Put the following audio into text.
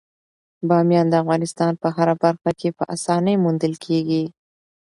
بامیان د افغانستان په هره برخه کې په اسانۍ موندل کېږي.